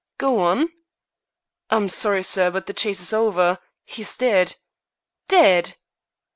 "Go on!" "I'm sorry, sir, but the chase is over. He's dead." "Dead?"